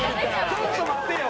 ちょっと待ってよ！